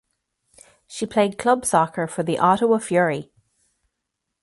She played club soccer for the Ottawa Fury.